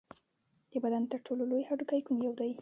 د بدن تر ټولو لوی هډوکی کوم یو دی